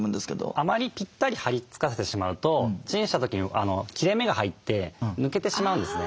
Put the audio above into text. あまりピッタリはり付かせてしまうとチンした時に切れ目が入って抜けてしまうんですね。